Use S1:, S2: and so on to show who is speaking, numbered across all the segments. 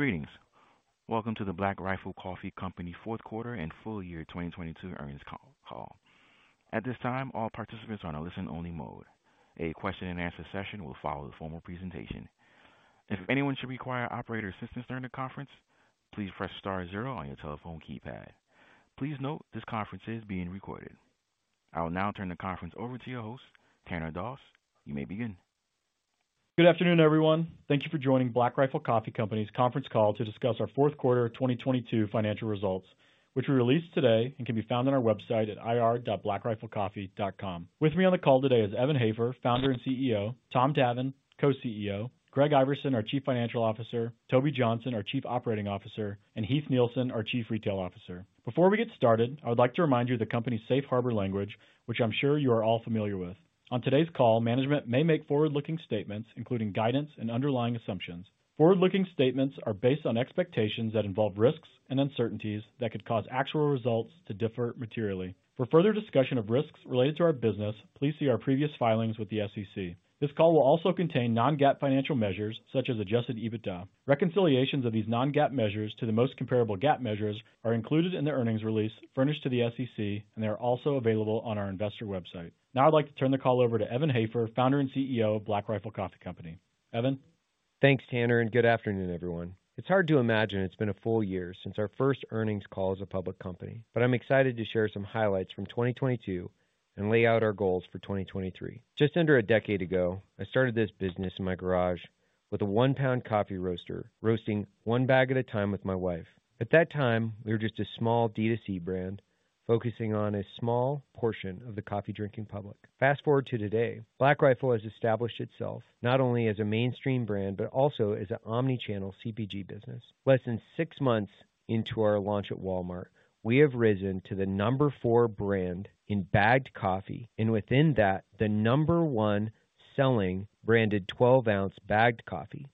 S1: Greetings. Welcome to the Black Rifle Coffee Company fourth quarter and full year 2022 earnings call. At this time, all participants are on a listen-only mode. A question-and-answer session will follow the formal presentation. If anyone should require operator assistance during the conference, please press star zero on your telephone keypad. Please note this conference is being recorded. I will now turn the conference over to your host, Tanner Doss. You may begin.
S2: Good afternoon, everyone. Thank you for joining Black Rifle Coffee Company's conference call to discuss our fourth quarter of 2022 financial results, which we released today and can be found on our website at ir.blackriflecoffee.com. With me on the call today is Evan Hafer, founder and CEO, Tom Davin, co-CEO, Gregory Iverson, our chief financial officer, Toby Johnson, our chief operating officer, and Heath Nielsen, our chief retail officer. Before we get started, I would like to remind you of the company's safe harbor language, which I'm sure you are all familiar with. On today's call, management may make forward-looking statements including guidance and underlying assumptions. Forward-looking statements are based on expectations that involve risks and uncertainties that could cause actual results to differ materially. For further discussion of risks related to our business, please see our previous filings with the SEC. This call will also contain non-GAAP financial measures such as adjusted EBITDA. Reconciliations of these non-GAAP measures to the most comparable GAAP measures are included in the earnings release furnished to the SEC and they are also available on our investor website. Now I'd like to turn the call over to Evan Hafer, Founder and CEO of Black Rifle Coffee Company. Evan?
S3: Thanks, Tanner. Good afternoon, everyone. It's hard to imagine it's been a full year since our first earnings call as a public company. I'm excited to share some highlights from 2022 and lay out our goals for 2023. Just under a decade ago, I started this business in my garage with a one-pound coffee roaster, roasting one bag at a time with my wife. At that time, we were just a small D2C brand focusing on a small portion of the coffee-drinking public. Fast-forward to today, Black Rifle has established itself not only as a mainstream brand, but also as an omni-channel CPG business. Less than six months into our launch at Walmart, we have risen to the number four brand in bagged coffee. Within that, the number one selling branded 12-ounce bagged coffee,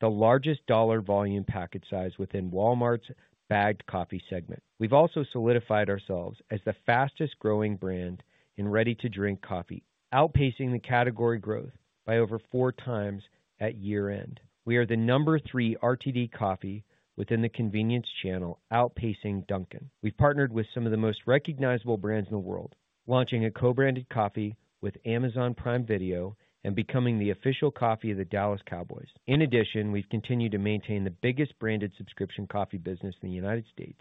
S3: the largest dollar volume package size within Walmart's bagged coffee segment. We've also solidified ourselves as the fastest growing brand in ready-to-drink coffee, outpacing the category growth by over 4 times at year-end. We are the number three RTD coffee within the convenience channel, outpacing Dunkin'. We've partnered with some of the most recognizable brands in the world, launching a co-branded coffee with Amazon Prime Video and becoming the official coffee of the Dallas Cowboys. We've continued to maintain the biggest branded subscription coffee business in the United States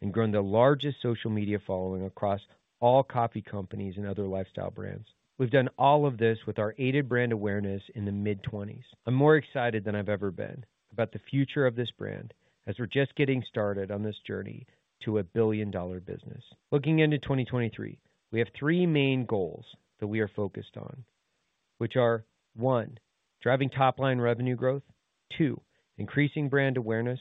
S3: and grown the largest social media following across all coffee companies and other lifestyle brands. We've done all of this with our aided brand awareness in the mid-20s. I'm more excited than I've ever been about the future of this brand as we're just getting started on this journey to a billion-dollar business. Looking into 2023, we have three main goals that we are focused on, which are one driving top-line revenue growth, two increasing brand awareness,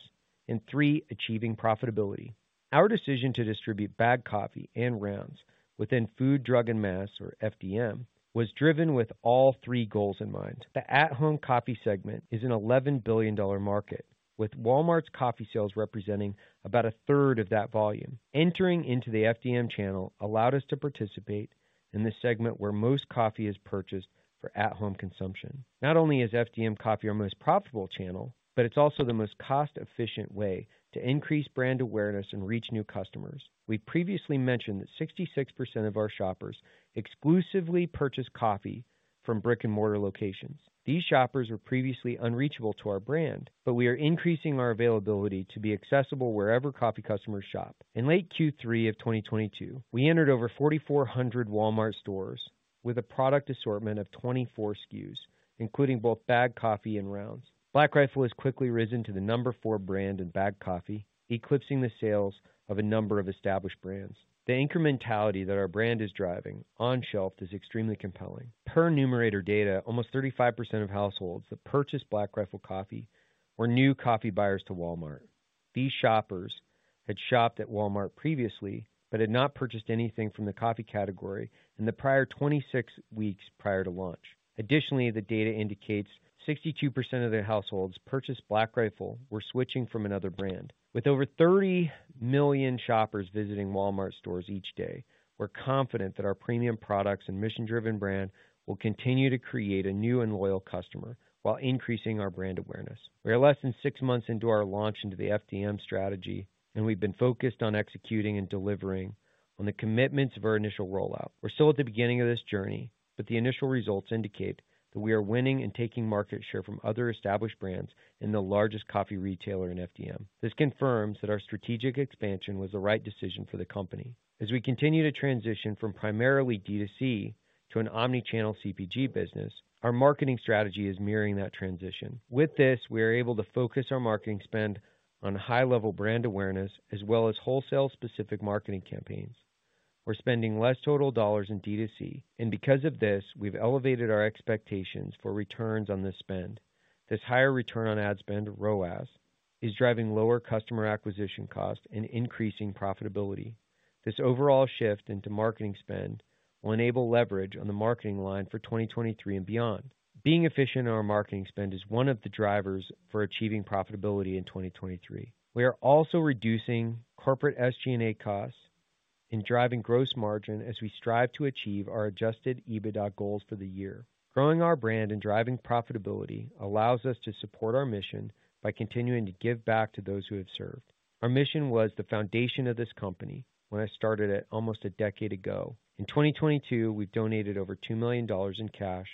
S3: and three achieving profitability. Our decision to distribute bagged coffee and Rounds within food, drug, and mass, or FDM, was driven with all three goals in mind. The at-home coffee segment is an $11 billion market, with Walmart's coffee sales representing about a third of that volume. Entering into the FDM channel allowed us to participate in this segment where most coffee is purchased for at-home consumption. Not only is FDM coffee our most profitable channel, but it's also the most cost-efficient way to increase brand awareness and reach new customers. We previously mentioned that 66% of our shoppers exclusively purchase coffee from brick-and-mortar locations. These shoppers were previously unreachable to our brand. We are increasing our availability to be accessible wherever coffee customers shop. In late Q3 of 2022, we entered over 4,400 Walmart stores with a product assortment of 24 SKUs, including both bagged coffee and rounds. Black Rifle has quickly risen to the number four brand in bagged coffee, eclipsing the sales of a number of established brands. The incrementality that our brand is driving on shelf is extremely compelling. Per Numerator data, almost 35% of households that purchased Black Rifle coffee were new coffee buyers to Walmart. These shoppers had shopped at Walmart previously, but had not purchased anything from the coffee category in the prior 26 weeks prior to launch. The data indicates 62% of their households purchased Black Rifle were switching from another brand. With over 30 million shoppers visiting Walmart stores each day, we're confident that our premium products and mission-driven brand will continue to create a new and loyal customer while increasing our brand awareness. We are less than six months into our launch into the FDM strategy, and we've been focused on executing and delivering on the commitments of our initial rollout. We're still at the beginning of this journey, but the initial results indicate that we are winning and taking market share from other established brands in the largest coffee retailer in FDM. This confirms that our strategic expansion was the right decision for the company. As we continue to transition from primarily D2C to an omni-channel CPG business, our marketing strategy is mirroring that transition. With this, we are able to focus our marketing spend on high-level brand awareness as well as wholesale specific marketing campaigns. We're spending less total dollars in D2C. Because of this, we've elevated our expectations for returns on the spend. This higher return on ad spend, ROAS, is driving lower customer acquisition costs and increasing profitability. This overall shift into marketing spend will enable leverage on the marketing line for 2023 and beyond. Being efficient in our marketing spend is one of the drivers for achieving profitability in 2023. We are also reducing corporate SG&A costs. In driving gross margin as we strive to achieve our adjusted EBITDA goals for the year. Growing our brand and driving profitability allows us to support our mission by continuing to give back to those who have served. Our mission was the foundation of this company when I started it almost a decade ago. In 2022, we donated over $2 million in cash,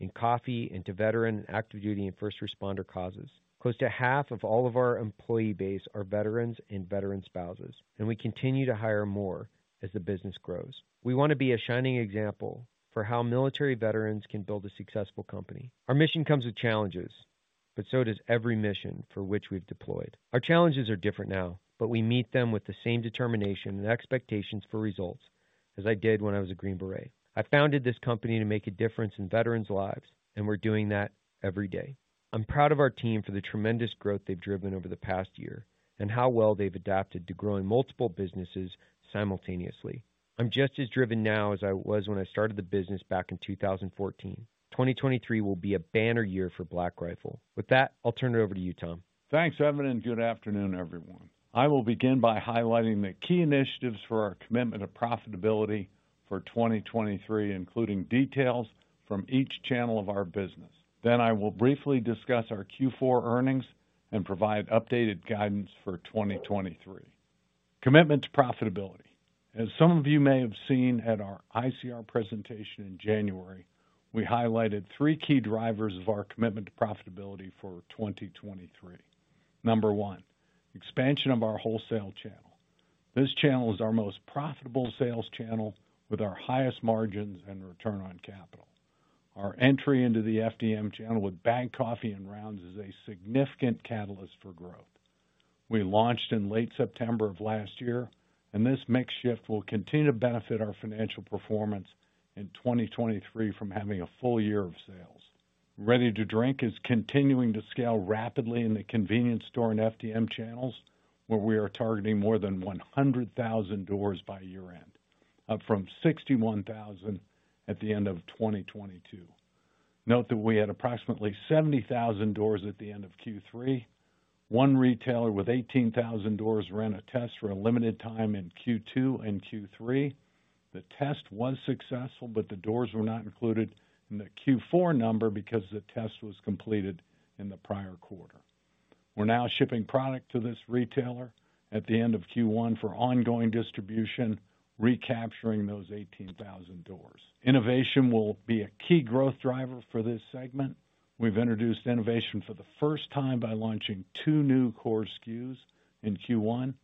S3: in coffee, and to veteran active duty and first responder causes. Close to half of all of our employee base are veterans and veteran spouses. We continue to hire more as the business grows. We wanna be a shining example for how military veterans can build a successful company. Our mission comes with challenges. So does every mission for which we've deployed. Our challenges are different now. We meet them with the same determination and expectations for results as I did when I was a Green Beret. I founded this company to make a difference in veterans' lives. We're doing that every day. I'm proud of our team for the tremendous growth they've driven over the past year and how well they've adapted to growing multiple businesses simultaneously. I'm just as driven now as I was when I started the business back in 2014. 2023 will be a banner year for Black Rifle. With that, I'll turn it over to you, Tom.
S4: Thanks, Evan, good afternoon, everyone. I will begin by highlighting the key initiatives for our commitment to profitability for 2023, including details from each channel of our business. I will briefly discuss our Q4 earnings and provide updated guidance for 2023. Commitment to profitability. As some of you may have seen at our ICR presentation in January, we highlighted three key drivers of our commitment to profitability for 2023. Number 1, expansion of our wholesale channel. This channel is our most profitable sales channel with our highest margins and return on capital. Our entry into the FDM channel with bagged coffee and Rounds is a significant catalyst for growth. We launched in late September of last year, this mix shift will continue to benefit our financial performance in 2023 from having a full year of sales. Ready to drink is continuing to scale rapidly in the convenience store and FDM channels, where we are targeting more than 100,000 doors by year-end, up from 61,000 at the end of 2022. Note that we had approximately 70,000 doors at the end of Q3. One retailer with 18,000 doors ran a test for a limited time in Q2 and Q3. The test was successful, the doors were not included in the Q4 number because the test was completed in the prior quarter. We're now shipping product to this retailer at the end of Q1 for ongoing distribution, recapturing those 18,000 doors. Innovation will be a key growth driver for this segment. We've introduced innovation for the first time by launching two new core SKUs in Q1,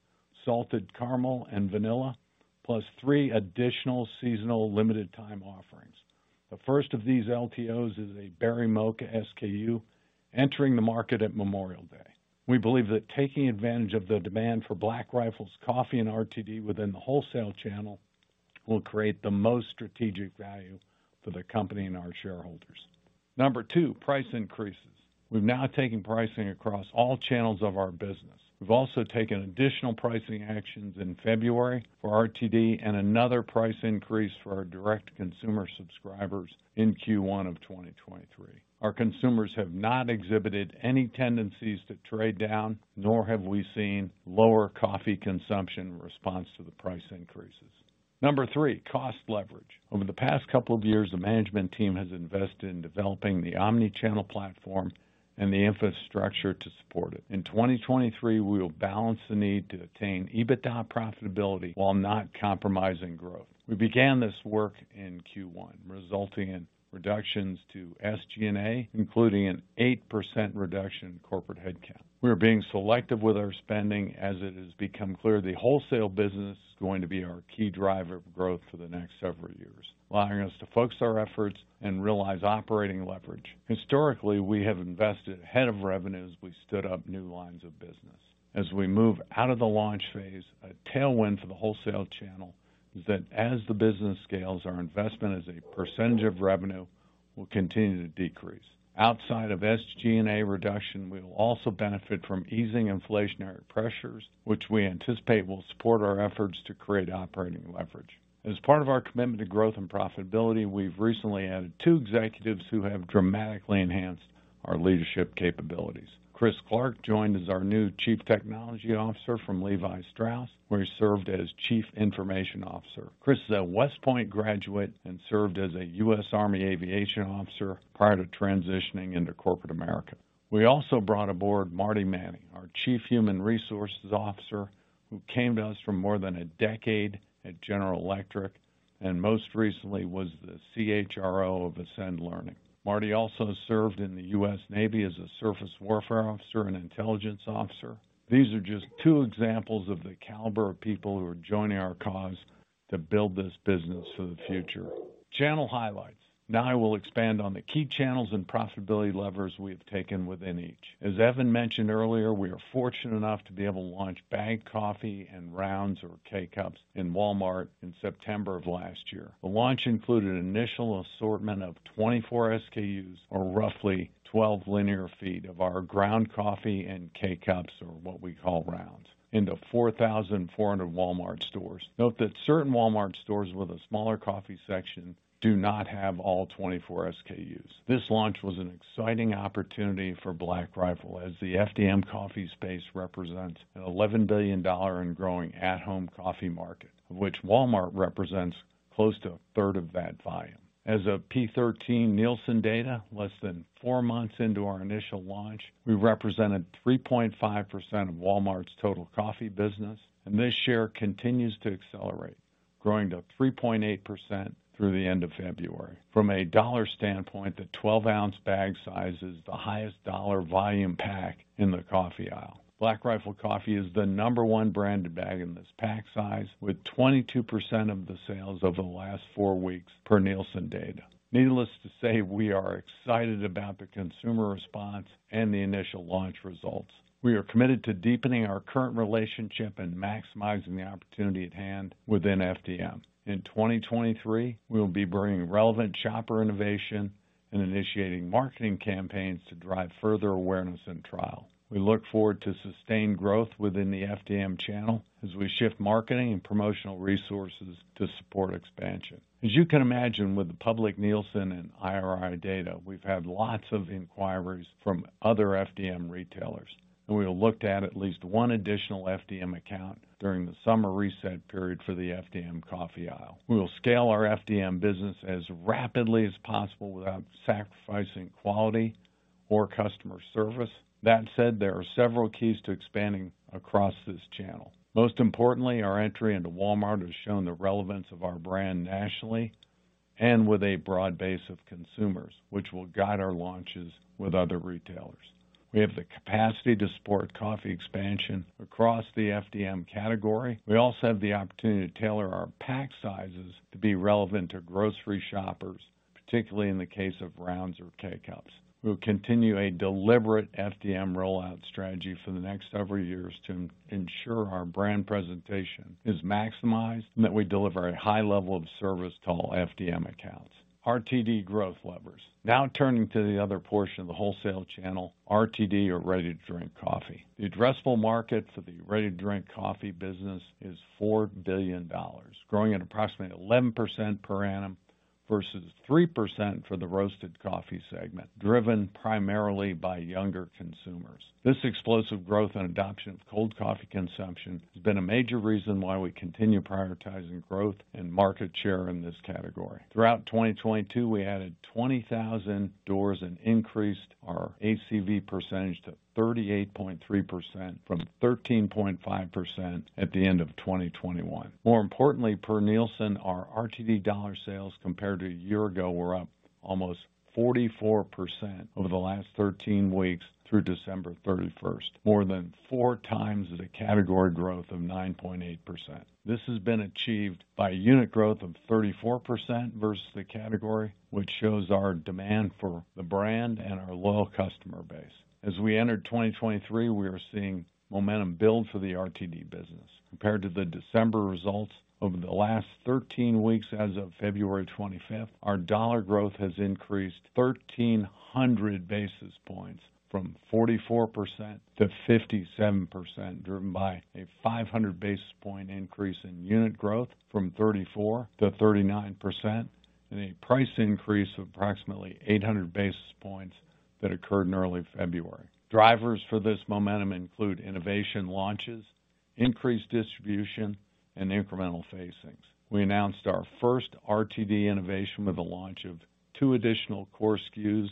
S4: Salted Caramel and Vanilla plus three additional seasonal limited time offerings. The first of these LTOs is a Berry Mocha SKU entering the market at Memorial Day. We believe that taking advantage of the demand for Black Rifle Coffee and RTD within the wholesale channel will create the most strategic value for the company and our shareholders. Number two, price increases. We've now taken pricing across all channels of our business. We've also taken additional pricing actions in February for RTD and another price increase for our direct consumer subscribers in Q1 of 2023. Our consumers have not exhibited any tendencies to trade down, nor have we seen lower coffee consumption in response to the price increases. Number three, cost leverage. Over the past couple of years, the management team has invested in developing the omni-channel platform and the infrastructure to support it. In 2023, we will balance the need to attain EBITDA profitability while not compromising growth. We began this work in Q1, resulting in reductions to SG&A, including an 8% reduction in corporate headcount. We are being selective with our spending as it has become clear the wholesale business is going to be our key driver of growth for the next several years, allowing us to focus our efforts and realize operating leverage. Historically, we have invested ahead of revenues. We stood up new lines of business. As we move out of the launch phase, a tailwind for the wholesale channel is that as the business scales, our investment as a percentage of revenue will continue to decrease. Outside of SG&A reduction, we will also benefit from easing inflationary pressures, which we anticipate will support our efforts to create operating leverage. As part of our commitment to growth and profitability, we've recently added two executives who have dramatically enhanced our leadership capabilities. Chris Clark joined as our new chief technology officer from Levi Strauss, where he served as chief information officer. Chris is a West Point graduate and served as a U.S. Army aviation officer prior to transitioning into corporate America. We also brought aboard Marty Manning, our chief human resources officer, who came to us from more than a decade at General Electric, and most recently was the CHRO of Ascend Learning. Marty also served in the U.S. Navy as a surface warfare officer and intelligence officer. These are just two examples of the caliber of people who are joining our cause to build this business for the future. Channel highlights. Now I will expand on the key channels and profitability levers we have taken within each. As Evan mentioned earlier, we are fortunate enough to be able to launch bagged coffee and rounds or K-Cups in Walmart in September of last year. The launch included an initial assortment of 24 SKUs or roughly 12 linear feet of our ground coffee and K-Cups, or what we call rounds, into 4,400 Walmart stores. Note that certain Walmart stores with a smaller coffee section do not have all 24 SKUs. This launch was an exciting opportunity for Black Rifle as the FDM coffee space represents an $11 billion in growing at-home coffee market, of which Walmart represents close to 1/3 of that volume. As of P13 Nielsen data, less than four months into our initial launch, we represented 3.5% of Walmart's total coffee business, and this share continues to accelerate. Growing to 3.8% through the end of February. From a dollar standpoint, the 12-ounce bag size is the highest dollar volume pack in the coffee aisle. Black Rifle Coffee is the number one branded bag in this pack size, with 22% of the sales over the last four weeks, per Nielsen data. Needless to say, we are excited about the consumer response and the initial launch results. We are committed to deepening our current relationship and maximizing the opportunity at hand within FDM. In 2023, we will be bringing relevant shopper innovation and initiating marketing campaigns to drive further awareness and trial. We look forward to sustained growth within the FDM channel as we shift marketing and promotional resources to support expansion. As you can imagine, with the public Nielsen and IRI data, we've had lots of inquiries from other FDM retailers, and we have looked at at least one additional FDM account during the summer reset period for the FDM coffee aisle. We will scale our FDM business as rapidly as possible without sacrificing quality or customer service. That said, there are several keys to expanding across this channel. Most importantly, our entry into Walmart has shown the relevance of our brand nationally and with a broad base of consumers, which will guide our launches with other retailers. We have the capacity to support coffee expansion across the FDM category. We also have the opportunity to tailor our pack sizes to be relevant to grocery shoppers, particularly in the case of Rounds or K-Cups. We will continue a deliberate FDM rollout strategy for the next several years to ensure our brand presentation is maximized and that we deliver a high level of service to all FDM accounts. RTD growth levers. Turning to the other portion of the wholesale channel, RTD or ready-to-drink coffee. The addressable market for the ready-to-drink coffee business is $4 billion, growing at approximately 11% per annum, versus 3% for the roasted coffee segment, driven primarily by younger consumers. This explosive growth and adoption of cold coffee consumption has been a major reason why we continue prioritizing growth and market share in this category. Throughout 2022, we added 20,000 doors and increased our ACV percentage to 38.3% from 13.5% at the end of 2021. More importantly, per Nielsen, our RTD dollar sales compared to a year ago were up almost 44% over the last 13 weeks through 31 December more than 4 times the category growth of 9.8%. This has been achieved by unit growth of 34% versus the category, which shows our demand for the brand and our loyal customer base. As we enter 2023, we are seeing momentum build for the RTD business. Compared to the December results over the last 13 weeks as of 25 February our dollar growth has increased 1,300 basis points from 44% to 57%, driven by a 500 basis point increase in unit growth from 34% to 39%, and a price increase of approximately 800 basis points that occurred in early February. Drivers for this momentum include innovation launches, increased distribution, and incremental facings. We announced our first RTD innovation with the launch of two additional core SKUs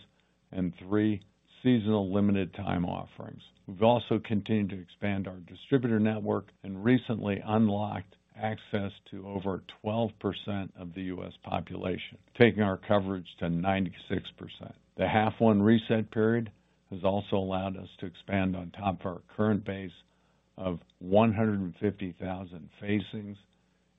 S4: and three seasonal limited time offerings. We've also continued to expand our distributor network and recently unlocked access to over 12% of the U.S. population, taking our coverage to 96%. The half one reset period has also allowed us to expand on top of our current base of 150,000 facings,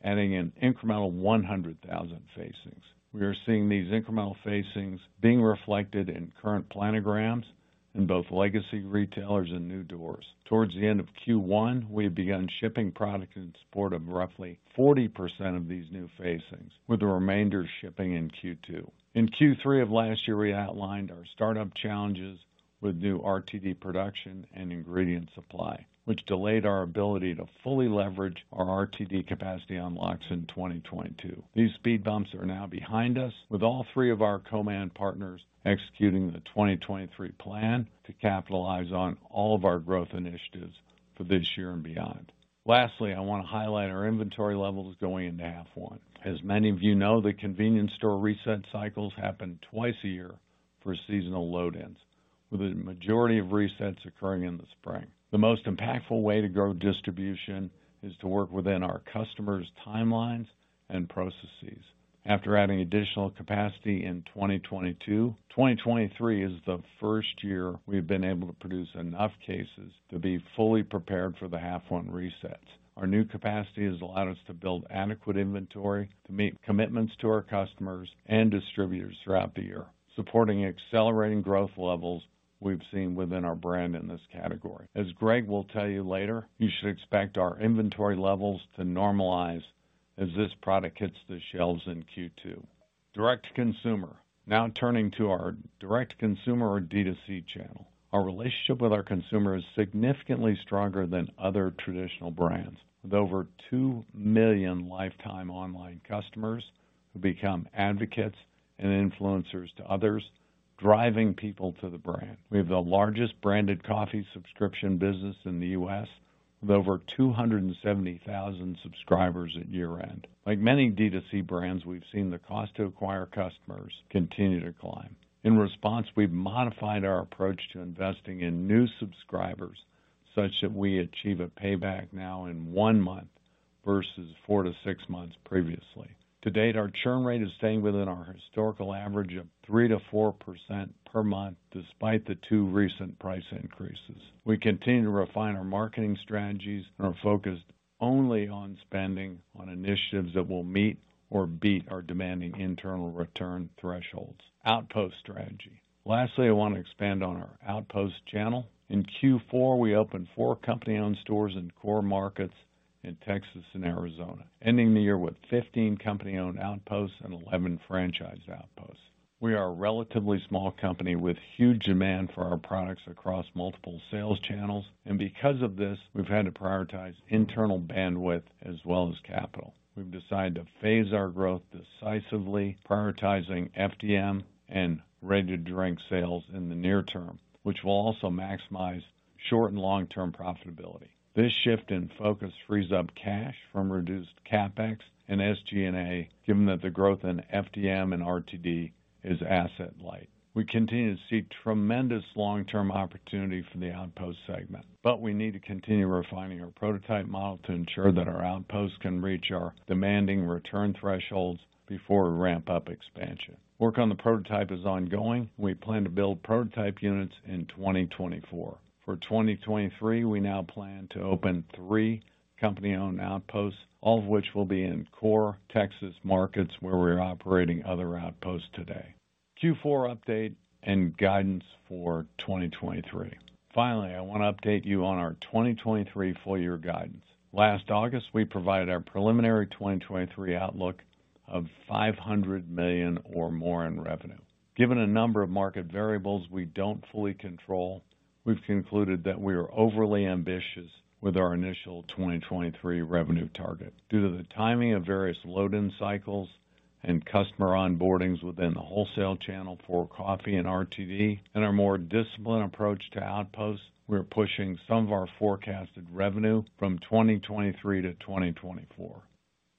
S4: adding an incremental 100,000 facings. We are seeing these incremental facings being reflected in current planograms in both legacy retailers and new doors. Towards the end of Q1, we have begun shipping products in support of roughly 40% of these new facings, with the remainder shipping in Q2. In Q3 of last year, we outlined our startup challenges with new RTD production and ingredient supply, which delayed our ability to fully leverage our RTD capacity unlocks in 2022. These speed bumps are now behind us, with all three of our co-man partners executing the 2023 plan to capitalize on all of our growth initiatives for this year and beyond. Lastly, I want to highlight our inventory levels going into half one. As many of you know, the convenience store reset cycles happen twice a year for seasonal load-ins, with the majority of resets occurring in the spring. The most impactful way to grow distribution is to work within our customers' timelines and processes. After adding additional capacity in 2022, 2023 is the first year we've been able to produce enough cases to be fully prepared for the half one resets. Our new capacity has allowed us to build adequate inventory to meet commitments to our customers and distributors throughout the year, supporting accelerating growth levels we've seen within our brand in this category. As Greg will tell you later, you should expect our inventory levels to normalize as this product hits the shelves in Q2. Direct-to-consumer. Turning to our direct-to-consumer or D2C channel. Our relationship with our consumer is significantly stronger than other traditional brands, with over 2 million lifetime online customers who become advocates and influencers to others, driving people to the brand. We have the largest branded coffee subscription business in the U.S., with over 270,000 subscribers at year-end. Like many D2C brands, we've seen the cost to acquire customers continue to climb. In response, we've modified our approach to investing in new subscribers such that we achieve a payback now in one month versus four-six months previously. To date, our churn rate is staying within our historical average of 3%-4% per month despite the two recent price increases. We continue to refine our marketing strategies and are focused only on spending on initiatives that will meet or beat our demanding internal return thresholds. Outpost strategy. Lastly, I wanna expand on our outpost channel. In Q4, we opened four company-owned stores in core markets in Texas and Arizona, ending the year with 15 company-owned outposts and 11 franchise outposts. We are a relatively small company with huge demand for our products across multiple sales channels, and because of this, we've had to prioritize internal bandwidth as well as capital. We've decided to phase our growth decisively, prioritizing FDM and ready to drink sales in the near term, which will also maximize short and long-term profitability. This shift in focus frees up cash from reduced CapEx and SG&A, given that the growth in FDM and RTD is asset light. We continue to see tremendous long-term opportunity for the outpost segment, but we need to continue refining our prototype model to ensure that our outposts can reach our demanding return thresholds before we ramp up expansion. Work on the prototype is ongoing. We plan to build prototype units in 2024. For 2023, we now plan to open three company-owned outposts, all of which will be in core Texas markets where we're operating other outposts today. Q4 update and guidance for 2023. Finally, I wanna update you on our 2023 full year guidance. Last August, we provided our preliminary 2023 outlook of $500 million or more in revenue. Given a number of market variables we don't fully control, we've concluded that we are overly ambitious with our initial 2023 revenue target. Due to the timing of various load-in cycles and customer onboardings within the wholesale channel for coffee and RTD, and our more disciplined approach to outposts, we're pushing some of our forecasted revenue from 2023 to 2024.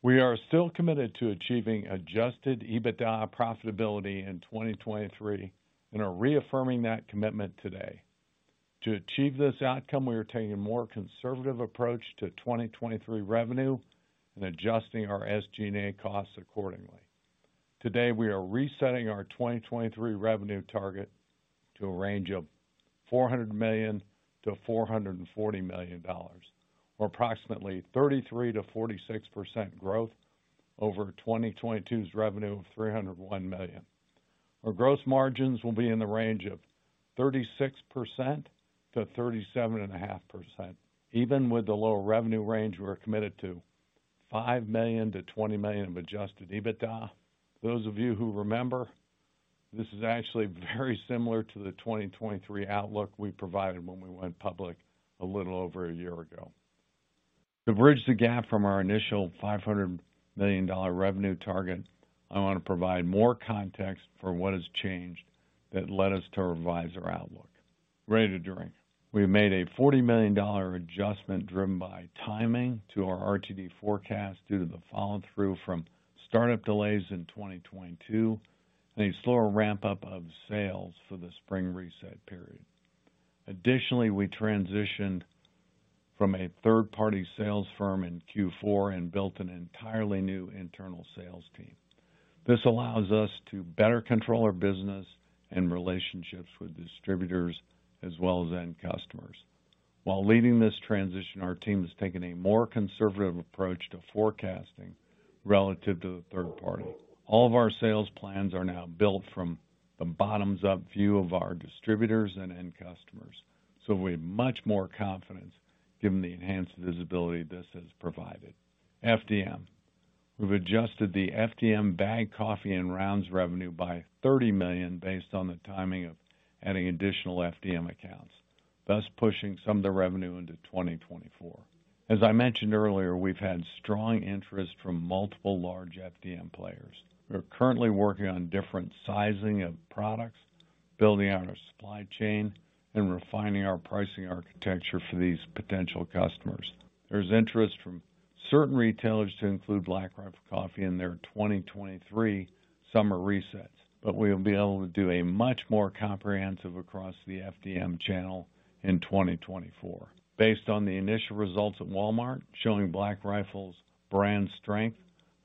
S4: We are still committed to achieving adjusted EBITDA profitability in 2023 and are reaffirming that commitment today. To achieve this outcome, we are taking a more conservative approach to 2023 revenue and adjusting our SG&A costs accordingly. Today, we are resetting our 2023 revenue target to a range of $400 million-$440 million, or approximately 33%-46% growth over 2022's revenue of $301 million. Our gross margins will be in the range of 36%-37.5%. Even with the lower revenue range, we're committed to $5 million-$20 million of adjusted EBITDA. Those of you who remember, this is actually very similar to the 2023 outlook we provided when we went public a little over a year ago. To bridge the gap from our initial $500 million revenue target, I wanna provide more context for what has changed that led us to revise our outlook. Ready to drink. We've made a $40 million adjustment driven by timing to our RTD forecast due to the follow-through from startup delays in 2022 and a slower ramp-up of sales for the spring reset period. Additionally, we transitioned from a third-party sales firm in Q4 and built an entirely new internal sales team. This allows us to better control our business and relationships with distributors as well as end customers. While leading this transition, our team has taken a more conservative approach to forecasting relative to the third party. All of our sales plans are now built from the bottoms-up view of our distributors and end customers, so we have much more confidence given the enhanced visibility this has provided. FDM. We've adjusted the FDM bagged coffee and Rounds revenue by $30 million based on the timing of adding additional FDM accounts, thus pushing some of the revenue into 2024. As I mentioned earlier, we've had strong interest from multiple large FDM players. We're currently working on different sizing of products, building out our supply chain, and refining our pricing architecture for these potential customers. There's interest from certain retailers to include Black Rifle Coffee in their 2023 summer resets, but we will be able to do a much more comprehensive across the FDM channel in 2024. Based on the initial results at Walmart, showing Black Rifle's brand strength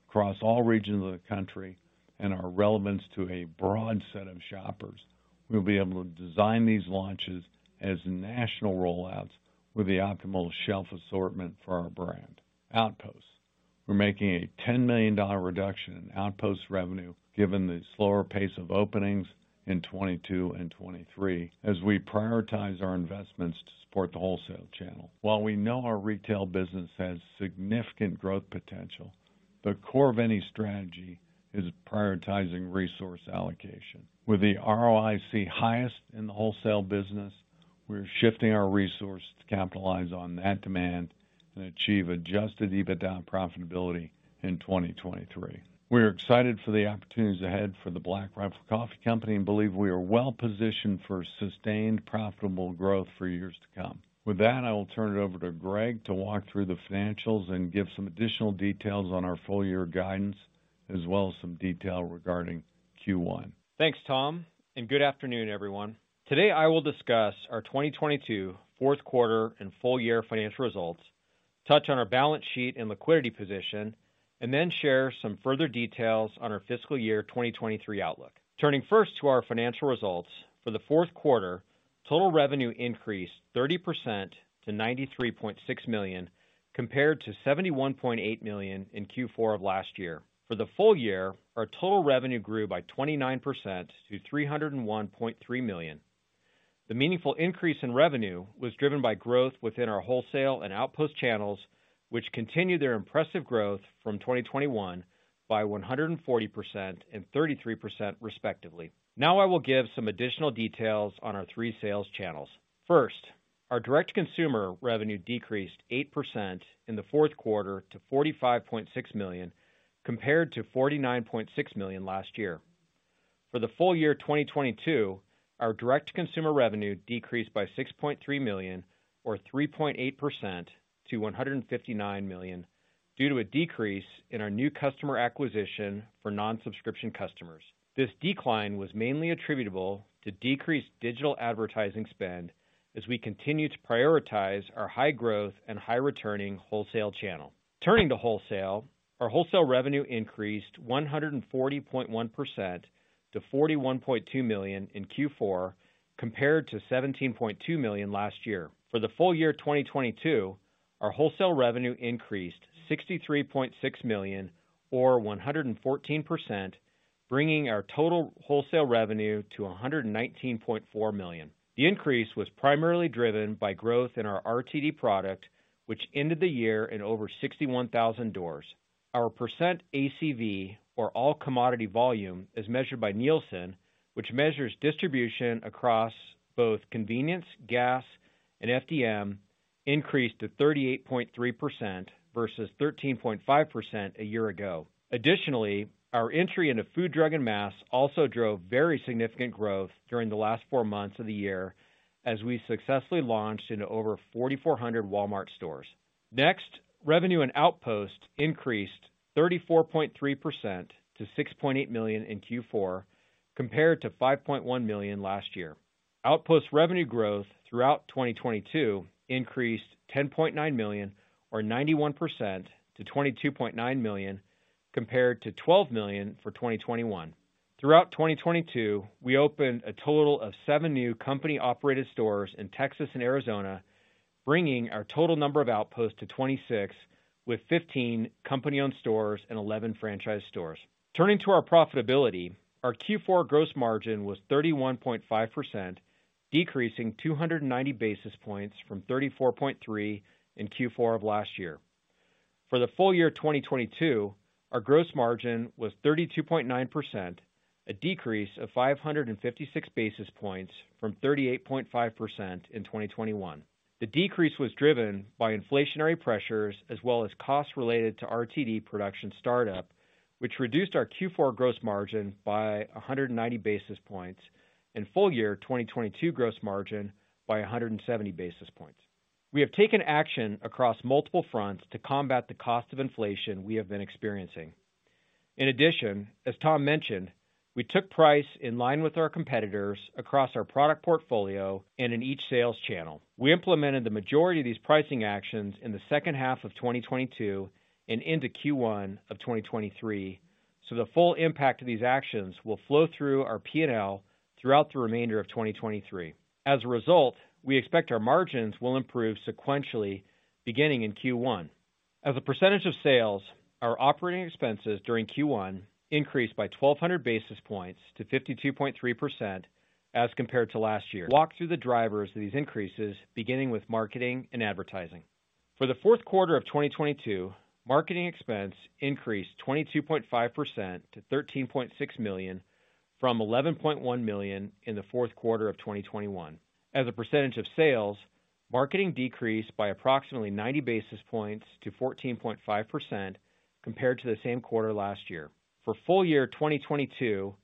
S4: across all regions of the country and our relevance to a broad set of shoppers, we'll be able to design these launches as national rollouts with the optimal shelf assortment for our brand. Outposts. We're making a $10 million reduction in outpost revenue given the slower pace of openings in 2022 and 2023, as we prioritize our investments to support the wholesale channel. While we know our retail business has significant growth potential, the core of any strategy is prioritizing resource allocation. With the ROIC highest in the wholesale business, we're shifting our resources to capitalize on that demand and achieve adjusted EBITDA profitability in 2023. We're excited for the opportunities ahead for the Black Rifle Coffee Company and believe we are well positioned for sustained, profitable growth for years to come. With that, I will turn it over to Greg to walk through the financials and give some additional details on our full year guidance. As well as some detail regarding Q1.
S5: Thanks, Tom. Good afternoon, everyone. Today, I will discuss our 2022 fourth quarter and full year financial results, touch on our balance sheet and liquidity position, then share some further details on our fiscal year 2023 outlook. Turning first to our financial results. For the fourth quarter, total revenue increased 30% to $93.6 million, compared to $71.8 million in Q4 of last year. For the full year, our total revenue grew by 29% to $301.3 million. The meaningful increase in revenue was driven by growth within our wholesale and outpost channels, which continued their impressive growth from 2021 by 140% and 33% respectively. Now, I will give some additional details on our three sales channels. Our direct consumer revenue decreased 8% in Q4 to $45.6 million, compared to $49.6 million last year. For the full year 2022, our direct consumer revenue decreased by $6.3 million or 3.8% to $159 million due to a decrease in our new customer acquisition for non-subscription customers. This decline was mainly attributable to decreased digital advertising spend as we continue to prioritize our high growth and high returning wholesale channel. Turning to wholesale. Our wholesale revenue increased 140.1% to $41.2 million in Q4, compared to $17.2 million last year. For the full year 2022, our wholesale revenue increased $63.6 million or 114%, bringing our total wholesale revenue to $119.4 million. The increase was primarily driven by growth in our RTD product, which ended the year in over 61,000 doors. Our percent ACV or All-Commodity Volume is measured by Nielsen, which measures distribution across both convenience, gas, and FDM increased to 38.3% versus 13.5% a year ago. Additionally, our entry into food, drug, and mass also drove very significant growth during the last four months of the year as we successfully launched into over 4,400 Walmart stores. Next, revenue and outpost increased 34.3% to $6.8 million in Q4, compared to $5.1 million last year. outpost revenue growth throughout 2022 increased $10.9 million or 91% to $22.9 million, compared to $12 million for 2021. Throughout 2022, we opened a total of 7 new company-operated stores in Texas and Arizona, bringing our total number of outposts to 26, with 15 company-owned stores and 11 franchise stores. Turning to our profitability. Our Q4 gross margin was 31.5%, decreasing 290 basis points from 34.3 in Q4 of last year. For the full year 2022, our gross margin was 32.9%, a decrease of 556 basis points from 38.5% in 2021. The decrease was driven by inflationary pressures as well as costs related to RTD production startup, which reduced our Q4 gross margin by 190 basis points, and full year 2022 gross margin by 170 basis points. We have taken action across multiple fronts to combat the cost of inflation we have been experiencing. In addition, as Tom mentioned, we took price in line with our competitors across our product portfolio and in each sales channel. We implemented the majority of these pricing actions in the second half of 2022 and into Q1 of 2023, so the full impact of these actions will flow through our P&L throughout the remainder of 2023. As a result, we expect our margins will improve sequentially beginning in Q1. As a percentage of sales, our operating expenses during Q1 increased by 1,200 basis points to 52.3% as compared to last year. Walk through the drivers of these increases, beginning with marketing and advertising. For the fourth quarter of 2022, marketing expense increased 22.5% to $13.6 million from $11.1 million in the fourth quarter of 2021. As a percentage of sales, marketing decreased by approximately 90 basis points to 14.5% compared to the same quarter last year. For full year 2022,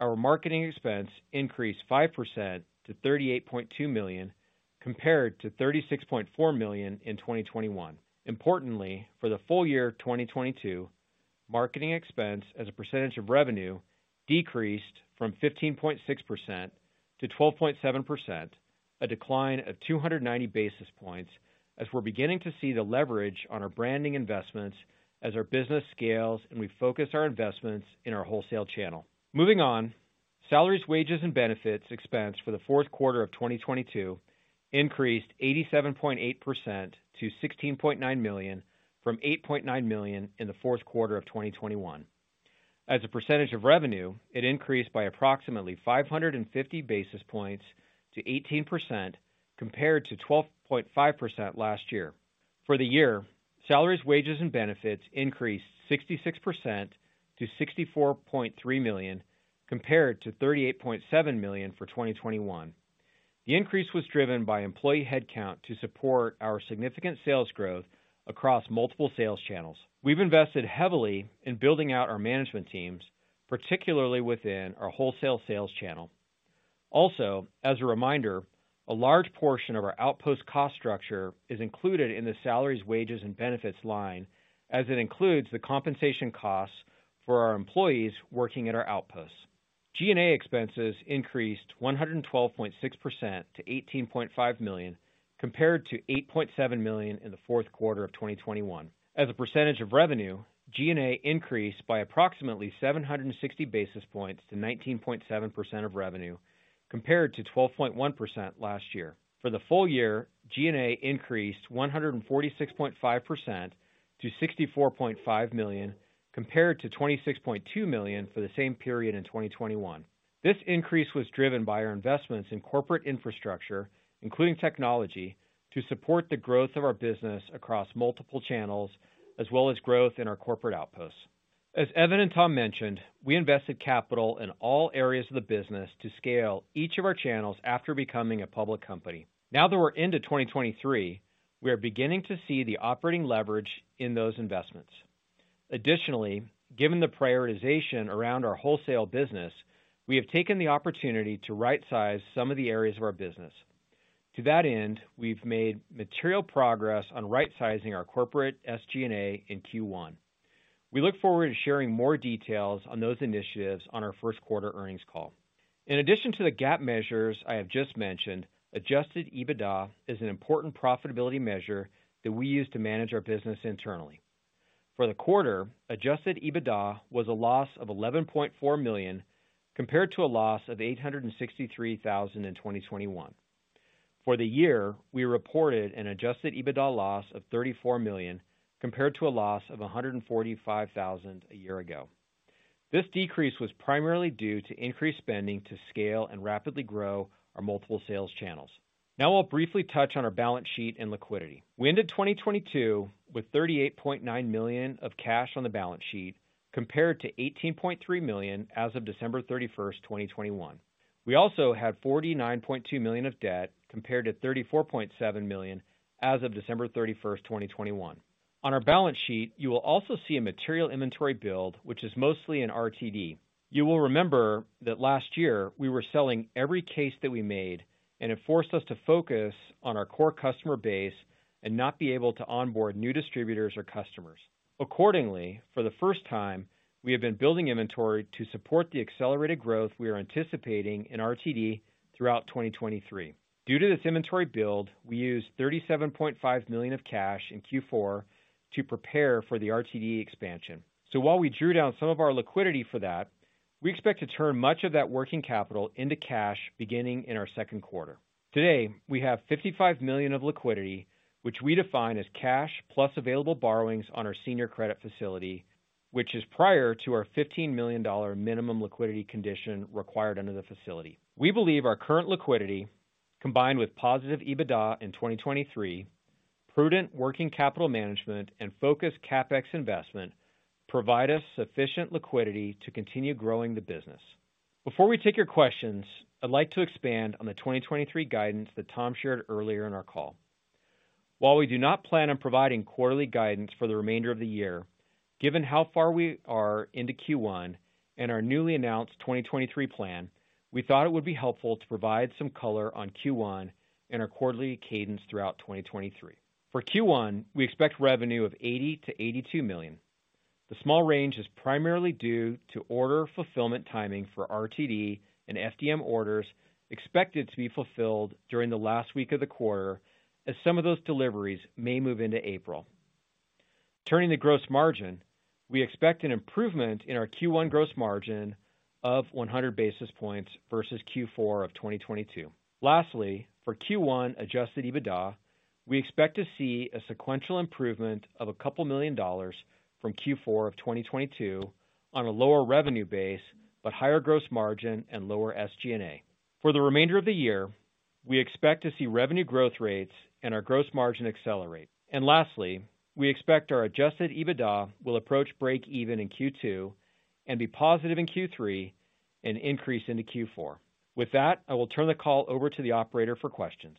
S5: our marketing expense increased 5% to $38.2 million, compared to $36.4 million in 2021. Importantly, for the full year 2022, marketing expense as a percentage of revenue decreased from 15.6% to 12.7%. A decline of 290 basis points as we're beginning to see the leverage on our branding investments as our business scales and we focus our investments in our wholesale channel. Moving on. Salaries, wages, and benefits expense for the fourth quarter of 2022 increased 87.8% to $16.9 million from $8.9 million in the fourth quarter of 2021. As a percentage of revenue, it increased by approximately 550 basis points to 18% compared to 12.5% last year. For the year, salaries, wages, and benefits increased 66% to $64.3 million, compared to $38.7 million for 2021. The increase was driven by employee headcount to support our significant sales growth across multiple sales channels. We've invested heavily in building out our management teams, particularly within our wholesale sales channel. As a reminder, a large portion of our outpost cost structure is included in the salaries, wages, and benefits line as it includes the compensation costs for our employees working at our outposts. G&A expenses increased 112.6% to $18.5 million, compared to $8.7 million in the fourth quarter of 2021. As a percentage of revenue, G&A increased by approximately 760 basis points to 19.7% of revenue, compared to 12.1% last year. For the full year, G&A increased 146.5% to $64.5 million, compared to $26.2 million for the same period in 2021. This increase was driven by our investments in corporate infrastructure, including technology, to support the growth of our business across multiple channels, as well as growth in our corporate outposts. As Evan and Tom mentioned, we invested capital in all areas of the business to scale each of our channels after becoming a public company. Now that we're into 2023, we are beginning to see the operating leverage in those investments. Given the prioritization around our wholesale business, we have taken the opportunity to right-size some of the areas of our business. To that end, we've made material progress on rightsizing our corporate SG&A in Q1. We look forward to sharing more details on those initiatives on our first quarter earnings call. In addition to the GAAP measures I have just mentioned, adjusted EBITDA is an important profitability measure that we use to manage our business internally. For the quarter, adjusted EBITDA was a loss of $11.4 million, compared to a loss of $863,000 in 2021. For the year, we reported an adjusted EBITDA loss of $34 million, compared to a loss of $145,000 a year ago. This decrease was primarily due to increased spending to scale and rapidly grow our multiple sales channels. Now I'll briefly touch on our balance sheet and liquidity. We ended 2022 with $38.9 million of cash on the balance sheet, compared to $18.3 million as of 31 December 2021. We also had $49.2 million of debt, compared to $34.7 million as of 31 December 2021. On our balance sheet, you will also see a material inventory build, which is mostly in RTD. You will remember that last year we were selling every case that we made, and it forced us to focus on our core customer base and not be able to onboard new distributors or customers. Accordingly, for the first time, we have been building inventory to support the accelerated growth we are anticipating in RTD throughout 2023. Due to this inventory build, we used $37.5 million of cash in Q4 to prepare for the RTD expansion. While we drew down some of our liquidity for that, we expect to turn much of that working capital into cash beginning in our second quarter. Today, we have $55 million of liquidity, which we define as cash plus available borrowings on our senior credit facility, which is prior to our $15 million minimum liquidity condition required under the facility. We believe our current liquidity, combined with positive EBITDA in 2023, prudent working capital management, and focused CapEx investment, provide us sufficient liquidity to continue growing the business. Before we take your questions, I'd like to expand on the 2023 guidance that Tom shared earlier in our call. While we do not plan on providing quarterly guidance for the remainder of the year, given how far we are into Q1 and our newly announced 2023 plan, we thought it would be helpful to provide some color on Q1 and our quarterly cadence throughout 2023. For Q1, we expect revenue of $80 million-$82 million. The small range is primarily due to order fulfillment timing for RTD and FDM orders expected to be fulfilled during the last week of the quarter, as some of those deliveries may move into April. Turning to gross margin, we expect an improvement in our Q1 gross margin of 100 basis points versus Q4 of 2022. Lastly, for Q1 adjusted EBITDA, we expect to see a sequential improvement of a couple million dollars from Q4 of 2022 on a lower revenue base but higher gross margin and lower SG&A. For the remainder of the year, we expect to see revenue growth rates and our gross margin accelerate. Lastly, we expect our adjusted EBITDA will approach break even in Q2 and be positive in Q3 and increase into Q4. With that, I will turn the call over to the operator for questions.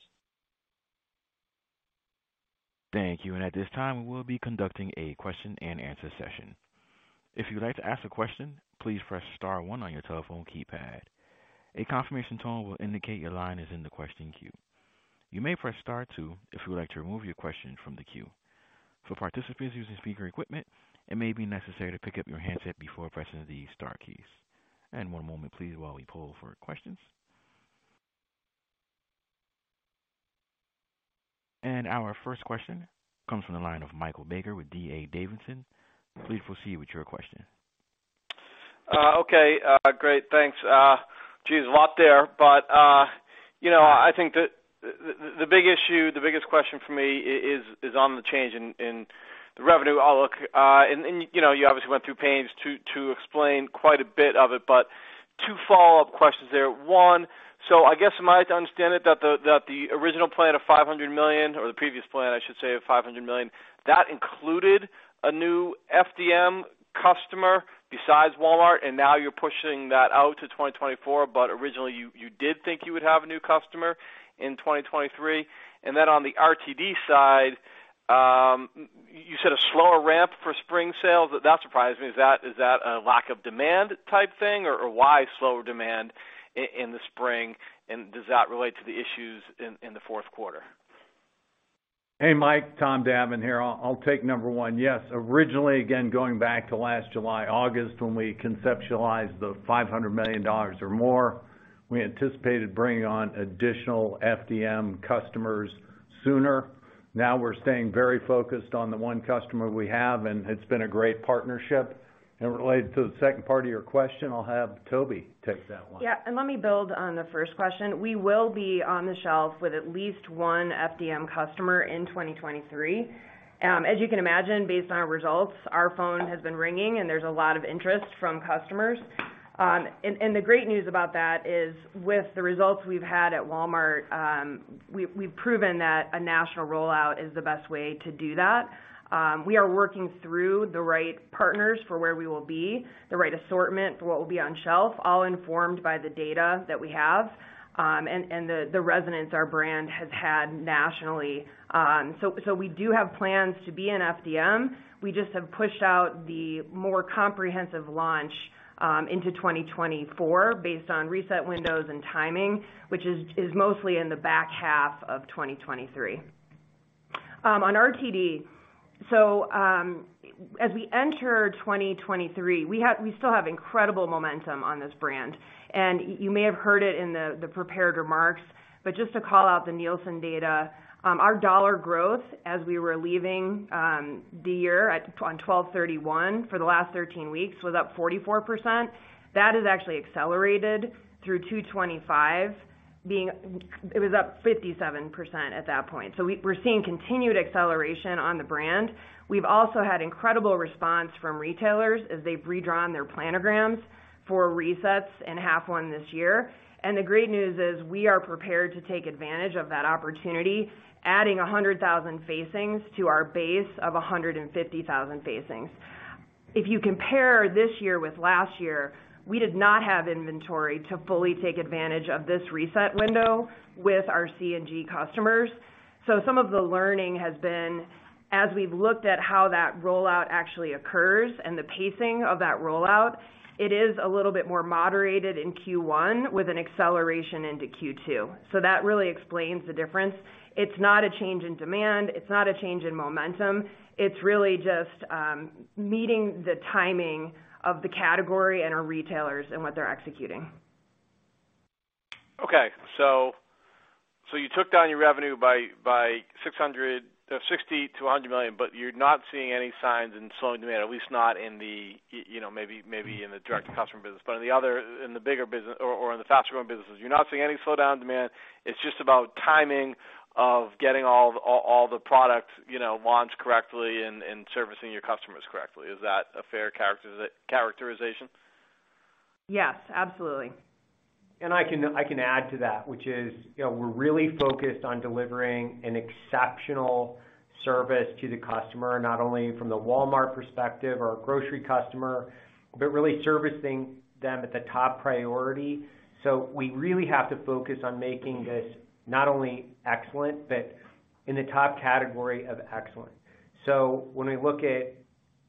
S1: Thank you. At this time, we will be conducting a question-and-answer session. If you would like to ask a question, please press star one on your telephone keypad. A confirmation tone will indicate your line is in the question queue. You may press star two if you would like to remove your question from the queue. For participants using speaker equipment, it may be necessary to pick up your handset before pressing the star keys. One moment please while we poll for questions. Our first question comes from the line of Michael Baker with D.A. Davidson. Please proceed with your question.
S6: Okay. Great. Thanks. Geez, a lot there, you know, I think the big issue, the biggest question for me is on the change in the revenue outlook. You know, you obviously went through pains to explain quite a bit of it, 2 follow-up questions there. One, I guess am I to understand it that the original plan of $500 million, or the previous plan, I should say, of $500 million, that included a new FDM customer besides Walmart, and now you're pushing that out to 2024, but originally you did think you would have a new customer in 2023? On the RTD side. You said a slower ramp for spring sales. That surprised me. Is that a lack of demand type thing? Or why slower demand in the spring? Does that relate to the issues in the fourth quarter?
S4: Hey, Mike. Tom Davin here. I'll take number one. Yes. Originally, again, going back to last July, August, when we conceptualized the $500 million or more, we anticipated bringing on additional FDM customers sooner. Now we're staying very focused on the 1 customer we have, and it's been a great partnership. Related to the second part of your question, I'll have Toby take that one.
S7: Yeah. Let me build on the first question. We will be on the shelf with at least one FDM customer in 2023. As you can imagine, based on our results, our phone has been ringing, and there's a lot of interest from customers. The great news about that is, with the results we've had at Walmart, we've proven that a national rollout is the best way to do that. We are working through the right partners for where we will be, the right assortment for what will be on shelf, all informed by the data that we have, and the resonance our brand has had nationally. We do have plans to be in FDM. We just have pushed out the more comprehensive launch into 2024 based on reset windows and timing, which is mostly in the back half of 2023. On RTD, as we enter 2023, we still have incredible momentum on this brand. You may have heard it in the prepared remarks, but just to call out the Nielsen data, our dollar growth as we were leaving the year on 12/31 for the last 13 weeks was up 44%. That has actually accelerated through 2/25, It was up 57% at that point. We're seeing continued acceleration on the brand. We've also had incredible response from retailers as they've redrawn their planograms for resets in H1 this year. The great news is we are prepared to take advantage of that opportunity, adding 100,000 facings to our base of 150,000 facings. If you compare this year with last year, we did not have inventory to fully take advantage of this reset window with our C&G customers. Some of the learning has been as we've looked at how that rollout actually occurs and the pacing of that rollout, it is a little bit more moderated in Q1 with an acceleration into Q2. That really explains the difference. It's not a change in demand. It's not a change in momentum. It's really just meeting the timing of the category and our retailers and what they're executing.
S6: Okay. You took down your revenue by $60 million-$100 million, you're not seeing any signs in slowing demand, at least not in the, you know, maybe in the direct-to-customer business. In the other, in the bigger business or in the faster growing businesses, you're not seeing any slowdown demand. It's just about timing of getting all the products, you know, launched correctly and servicing your customers correctly. Is that a fair characterization?
S7: Yes, absolutely.
S3: I can, I can add to that, which is, you know, we're really focused on delivering an exceptional service to the customer, not only from the Walmart perspective or a grocery customer, but really servicing them at the top priority. We really have to focus on making this not only excellent, but in the top category of excellent. When we look at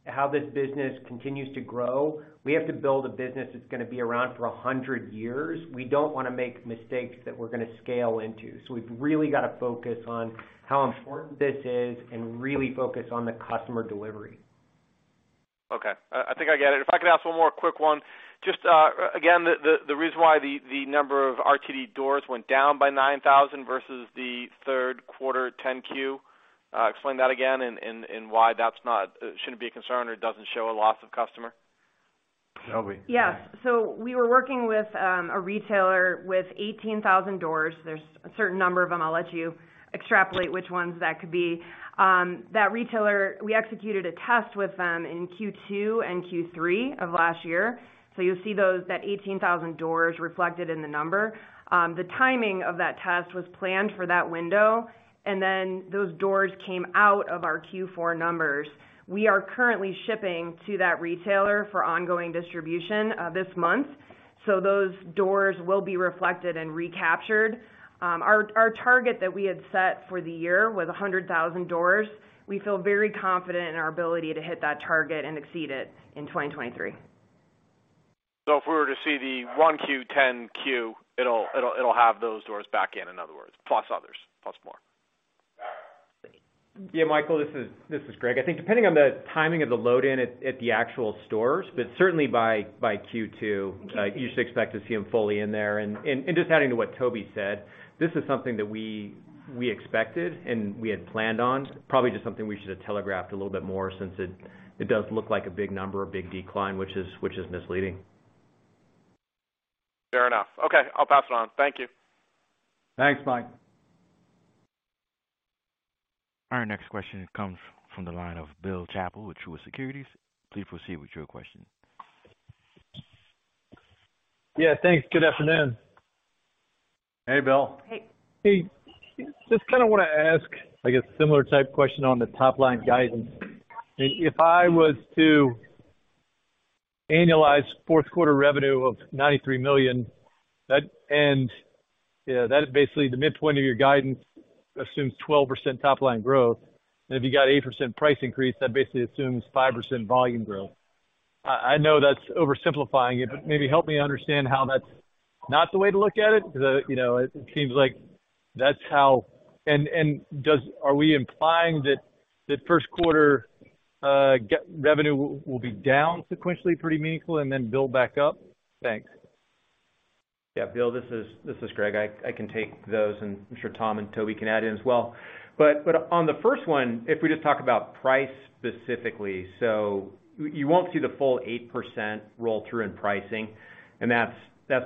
S3: how this business continues to grow, we have to build a business that's gonna be around for a hundred years. We don't wanna make mistakes that we're gonna scale into. We've really got to focus on how important this is and really focus on the customer delivery.
S6: Okay. I think I get it. If I could ask one more quick one. Just again, the reason why the number of RTD doors went down by 9,000 versus the third quarter 10-Q. Explain that again and why that shouldn't be a concern or doesn't show a loss of customer?
S4: Toby?
S7: Yes. We were working with a retailer with 18,000 doors. There's a certain number of them, I'll let you extrapolate which ones that could be. That retailer, we executed a test with them in Q2 and Q3 of last year. You'll see that 18,000 doors reflected in the number. The timing of that test was planned for that window, and then those doors came out of our Q4 numbers. We are currently shipping to that retailer for ongoing distribution this month. Those doors will be reflected and recaptured. Our target that we had set for the year was 100,000 doors. We feel very confident in our ability to hit that target and exceed it in 2023.
S6: If we were to see the 1Q, 10Q, it'll have those doors back in other words, plus others, plus more.
S5: Yeah, Michael, this is Greg. I think depending on the timing of the load in at the actual stores, but certainly by Q2, you should expect to see them fully in there. Just adding to what Toby said, this is something that we expected and we had planned on, probably just something we should have telegraphed a little bit more since it does look like a big number, a big decline, which is misleading.
S6: Fair enough. Okay, I'll pass it on. Thank you.
S4: Thanks, Mike.
S1: Our next question comes from the line of Bill Chappell with Truist Securities. Please proceed with your question.
S8: Yeah, thanks. Good afternoon.
S4: Hey, Bill.
S8: Hey. Just kind of want to ask, I guess, similar type question on the top line guidance. If I was to annualized fourth quarter revenue of $93 million. Yeah, that basically the midpoint of your guidance assumes 12% top line growth. If you got 8% price increase, that basically assumes 5% volume growth. I know that's oversimplifying it, but maybe help me understand how that's not the way to look at it because, you know, it seems like that's how. Are we implying that the first quarter revenue will be down sequentially pretty meaningful and then build back up? Thanks.
S5: Yeah. Bill, this is Greg. I can take those, and I'm sure Tom and Toby can add in as well. On the first one, if we just talk about price specifically, so you won't see the full 8% roll through in pricing, and that's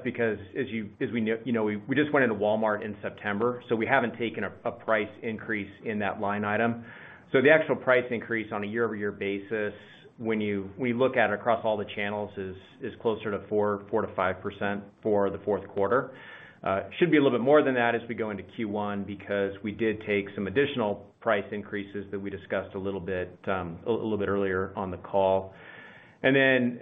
S5: because as we know, we just went into Walmart in September, so we haven't taken a price increase in that line item. The actual price increase on a year-over-year basis, when you look at it across all the channels, is closer to 4%-5% for the fourth quarter. Should be a little bit more than that as we go into Q1 because we did take some additional price increases that we discussed a little bit earlier on the call. Then,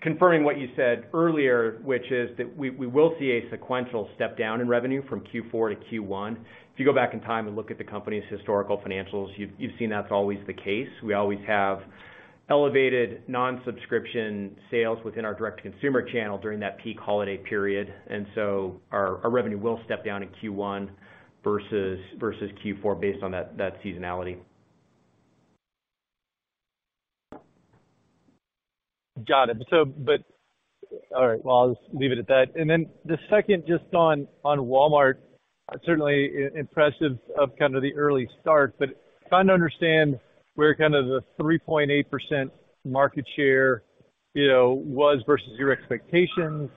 S5: confirming what you said earlier, which is that we will see a sequential step down in revenue from Q4 to Q1. If you go back in time and look at the company's historical financials, you've seen that's always the case. We always have elevated non-subscription sales within our direct-to-consumer channel during that peak holiday period. So our revenue will step down in Q1 versus Q4 based on that seasonality.
S8: Got it. All right, well, I'll just leave it at that. The second just on Walmart, certainly impressive of kind of the early start, but trying to understand where kind of the 3.8% market share, you know, was versus your expectations.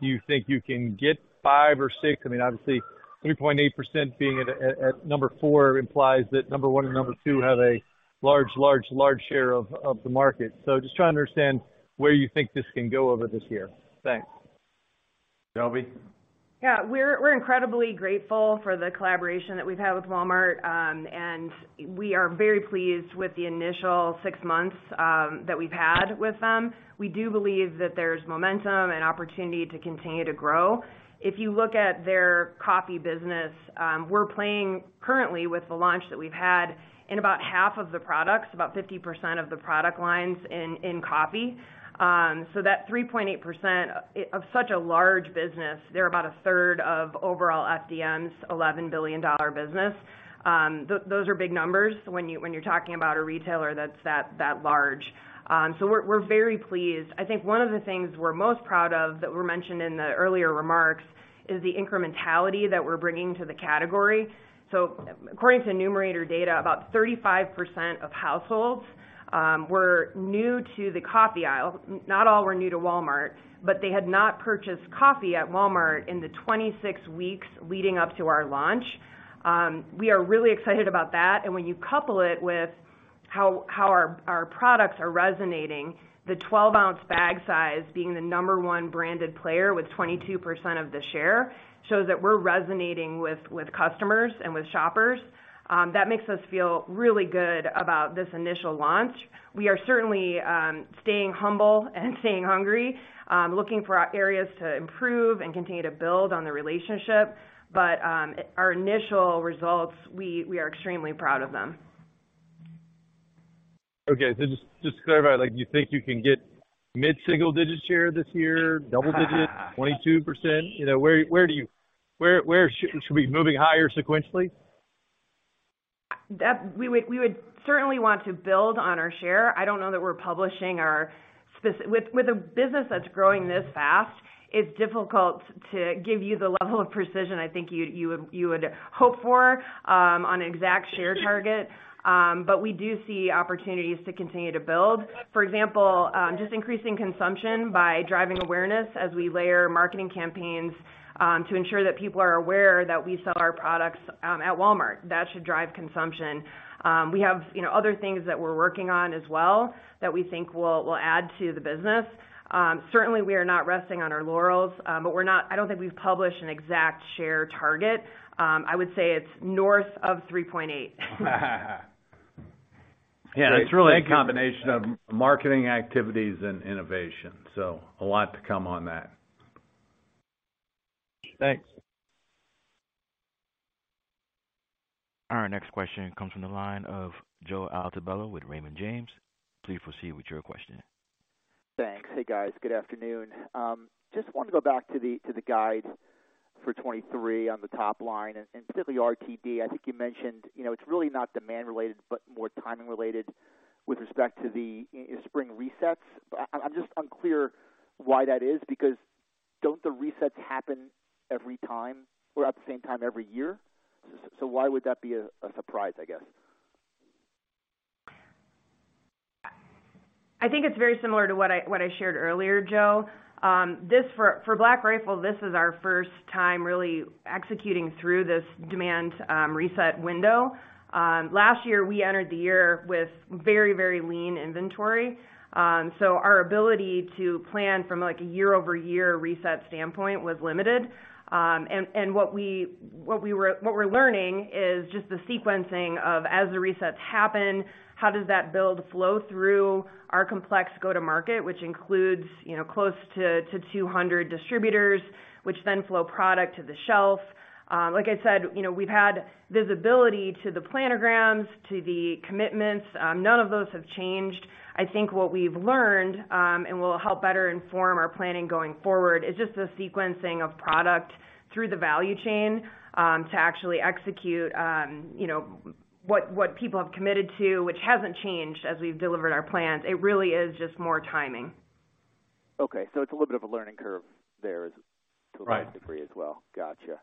S8: Do you think you can get five or six? I mean, obviously, 3.8% being at number four implies that number one and number two have a large share of the market. Just trying to understand where you think this can go over this year. Thanks.
S4: Toby?
S7: Yeah. We're incredibly grateful for the collaboration that we've had with Walmart. We are very pleased with the initial six months that we've had with them. We do believe that there's momentum and opportunity to continue to grow. If you look at their coffee business, we're playing currently with the launch that we've had in about half of the products, about 50% of the product lines in coffee. That 3.8% of such a large business, they're about a third of overall FDM's $11 billion business. Those are big numbers when you're talking about a retailer that's that large. We're very pleased. I think one of the things we're most proud of that were mentioned in the earlier remarks is the incrementality that we're bringing to the category. According to Numerator data, about 35% of households were new to the coffee aisle. Not all were new to Walmart, but they had not purchased coffee at Walmart in the 26 weeks leading up to our launch. We are really excited about that. When you couple it with how our products are resonating, the 12-ounce bag size being the number 1 branded player with 22% of the share, shows that we're resonating with customers and with shoppers. That makes us feel really good about this initial launch. We are certainly staying humble and staying hungry, looking for areas to improve and continue to build on the relationship. Our initial results, we are extremely proud of them.
S8: Okay. just to clarify, like, you think you can get mid-single digit share this year, double digit, 22%? You know, Should we be moving higher sequentially?
S7: We would certainly want to build on our share. I don't know that we're publishing our spec. With a business that's growing this fast, it's difficult to give you the level of precision I think you'd, you would hope for on an exact share target. We do see opportunities to continue to build. For example, just increasing consumption by driving awareness as we layer marketing campaigns to ensure that people are aware that we sell our products at Walmart. That should drive consumption. We have, you know, other things that we're working on as well that we think will add to the business. Certainly, we are not resting on our laurels, but we're not. I don't think we've published an exact share target. I would say it's north of 3.8.
S4: Yeah. It's really a combination of marketing activities and innovation. A lot to come on that.
S8: Thanks.
S1: Our next question comes from the line of Joe Altobello with Raymond James. Please proceed with your question.
S9: Thanks. Hey, guys. Good afternoon. Just wanted to go back to the guide for 23 on the top line and specifically RTD. I think you mentioned, you know, it's really not demand related, but more timing related with respect to the spring resets. I'm just unclear why that is because don't the resets happen every time or at the same time every year? Why would that be a surprise, I guess?
S7: I think it's very similar to what I shared earlier, Joe. This for Black Rifle, this is our first time really executing through this demand reset window. Last year, we entered the year with very lean inventory. Our ability to plan from, like, a year-over-year reset standpoint was limited. What we're learning is just the sequencing of, as the resets happen, how does that build flow through our complex go-to-market, which includes, you know, close to 200 distributors, which then flow product to the shelf. Like I said, you know, we've had visibility to the planograms, to the commitments. None of those have changed. I think what we've learned, and will help better inform our planning going forward is just the sequencing of product through the value chain, to actually execute, you know, what people have committed to, which hasn't changed as we've delivered our plans. It really is just more timing.
S9: Okay. It's a little bit of a learning curve there as to a nice degree as well. Gotcha.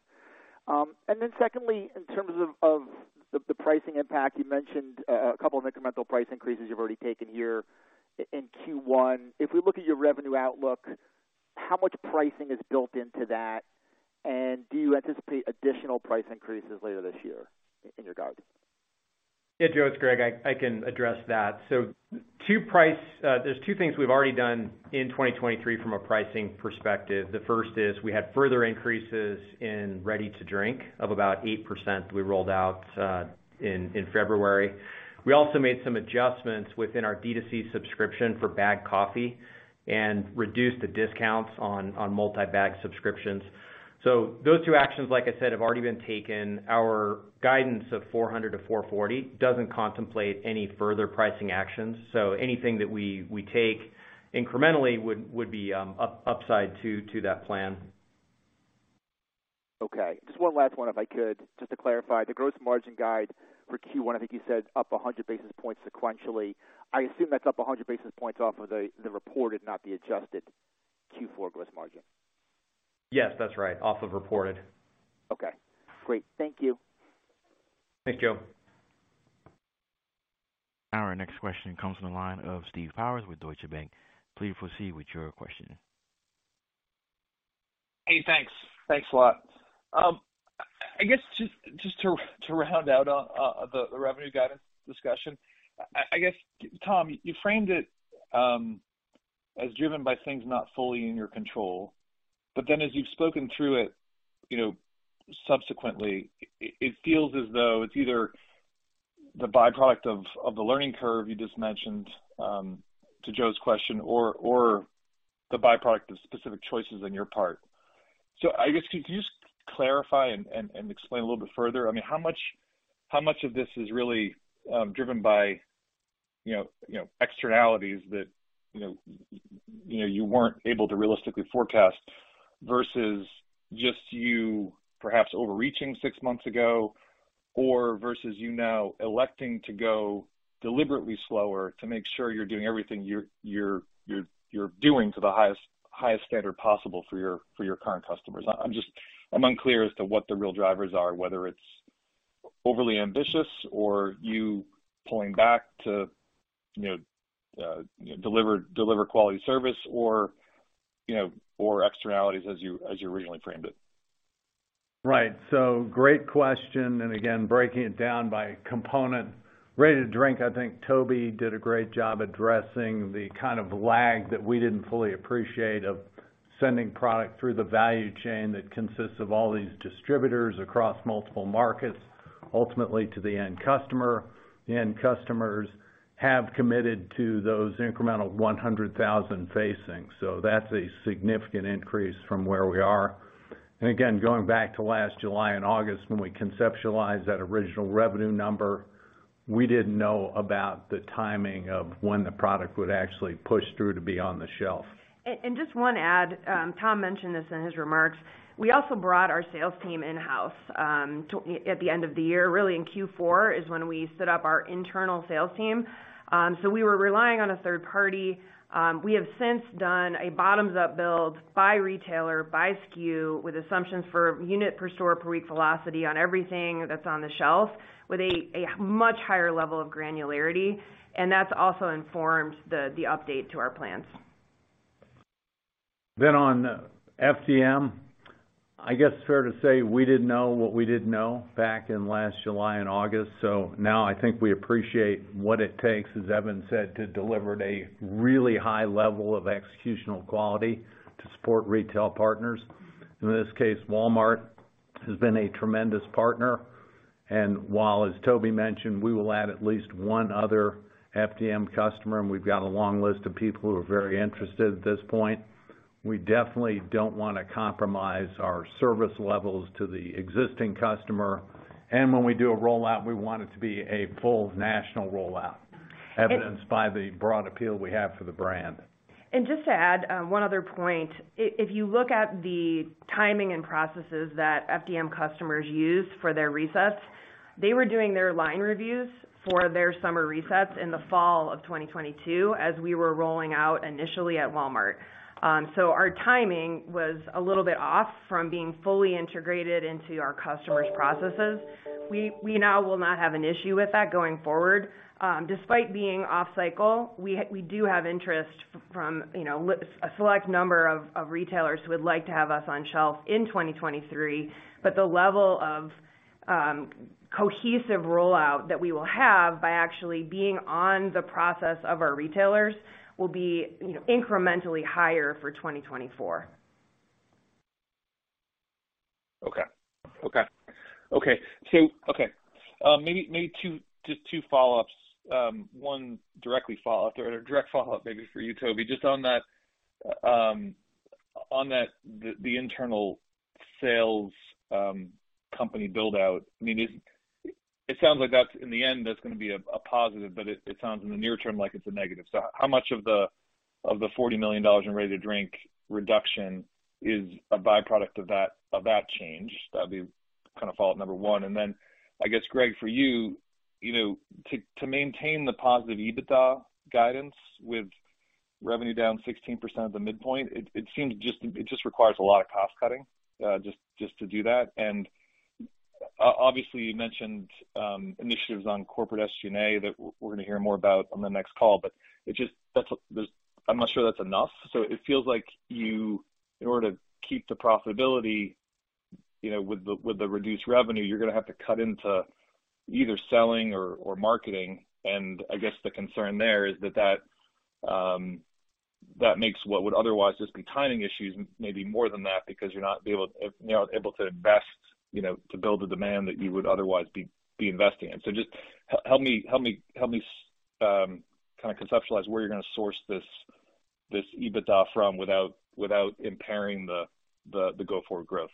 S9: Secondly, in terms of the pricing impact, you mentioned a couple of incremental price increases you've already taken here in Q1. If we look at your revenue outlook, how much pricing is built into that? Do you anticipate additional price increases later this year in your guidance?
S5: Yeah, Joe, it's Greg. I can address that. There's two things we've already done in 2023 from a pricing perspective. The first is we had further increases in ready-to-drink of about 8% we rolled out in February. We also made some adjustments within our D2C subscription for bagged coffee and reduced the discounts on multi-bag subscriptions. Those two actions, like I said, have already been taken. Our guidance of $400 million-$440 million doesn't contemplate any further pricing actions, so anything that we take incrementally would be upside to that plan.
S9: Okay. Just one last one, if I could, just to clarify. The gross margin guide for Q1, I think you said up 100 basis points sequentially. I assume that's up 100 basis points off of the reported, not the adjusted Q4 gross margin.
S5: Yes, that's right. Off of reported.
S9: Okay, great. Thank you.
S5: Thanks, Joe.
S1: Our next question comes from the line of Steve Powers with Deutsche Bank. Please proceed with your question.
S10: Hey, thanks. Thanks a lot. I guess just to round out the revenue guidance discussion. I guess, Tom, you framed it as driven by things not fully in your control. As you've spoken through it, you know, subsequently, it feels as though it's either the byproduct of the learning curve you just mentioned to Joe's question or the byproduct of specific choices on your part. I guess, could you just clarify and explain a little bit further? I mean, how much of this is really driven by, you know, externalities that, you know, you weren't able to realistically forecast versus just you perhaps overreaching six months ago or versus you now electing to go deliberately slower to make sure you're doing everything you're doing to the highest standard possible for your, for your current customers? I'm unclear as to what the real drivers are, whether it's overly ambitious or you pulling back to, you know, deliver quality service or, you know, externalities as you, as you originally framed it.
S4: Right. Great question, and again, breaking it down by component. ready-to-drink, I think Toby did a great job addressing the kind of lag that we didn't fully appreciate of sending product through the value chain that consists of all these distributors across multiple markets, ultimately to the end customer. The end customers have committed to those incremental 100,000 facings. That's a significant increase from where we are. Again, going back to last July and August when we conceptualized that original revenue number, we didn't know about the timing of when the product would actually push through to be on the shelf.
S7: Just one add, Tom mentioned this in his remarks. We also brought our sales team in-house at the end of the year. Really in Q4 is when we set up our internal sales team. We were relying on a third party. We have since done a bottoms-up build by retailer, by SKU, with assumptions for unit per store per week velocity on everything that's on the shelf with a much higher level of granularity. That's also informed the update to our plans.
S4: On FDM, I guess fair to say we didn't know what we didn't know back in last July and August. Now I think we appreciate what it takes, as Evan said, to deliver a really high level of executional quality to support retail partners. In this case, Walmart has been a tremendous partner. While, as Toby mentioned, we will add at least one other FDM customer, and we've got a long list of people who are very interested at this point, we definitely don't wanna compromise our service levels to the existing customer. When we do a rollout, we want it to be a full national rollout, evidenced by the broad appeal we have for the brand.
S7: Just to add one other point. If you look at the timing and processes that FDM customers use for their resets, they were doing their line reviews for their summer resets in the fall of 2022 as we were rolling out initially at Walmart. Our timing was a little bit off from being fully integrated into our customers' processes. We now will not have an issue with that going forward. Despite being off cycle, we do have interest from, you know, a select number of retailers who would like to have us on shelf in 2023, but the level of cohesive rollout that we will have by actually being on the process of our retailers will be, you know, incrementally higher for 2024.
S10: Okay. Okay. Okay. Okay. Maybe two, just two follow-ups. One direct follow-up maybe for you, Toby, just on that, on that, the internal sales company build out. I mean, it sounds like that's, in the end, gonna be a positive, but it sounds in the near term like it's a negative. How much of the $40 million in ready-to-drink reduction is a byproduct of that change? That'd be kinda follow-up number one. I guess, Greg, for you know, to maintain the positive EBITDA guidance with revenue down 16% at the midpoint, it just requires a lot of cost cutting just to do that. Obviously, you mentioned initiatives on corporate SG&A that we're gonna hear more about on the next call, but it just that's what, there's I'm not sure that's enough. It feels like you, in order to keep the profitability, you know, with the reduced revenue, you're gonna have to cut into either selling or marketing. I guess the concern there is that makes what would otherwise just be timing issues, maybe more than that, because you're not able to invest, you know, to build the demand that you would otherwise be investing in. Just help me, help me, help me, kinda conceptualize where you're gonna source this EBITDA from without impairing the go-forward growth?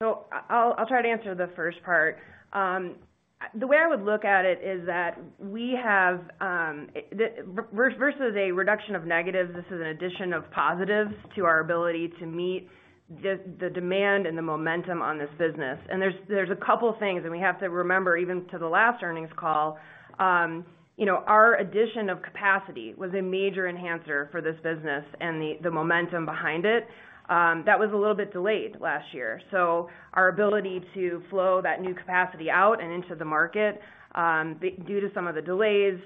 S7: I'll try to answer the first part. The way I would look at it is that we have, versus a reduction of negatives, this is an addition of positives to our ability to meet the demand and the momentum on this business. There's a couple things, and we have to remember, even to the last earnings call, you know, our addition of capacity was a major enhancer for this business and the momentum behind it. That was a little bit delayed last year. Our ability to flow that new capacity out and into the market, due to some of the delays,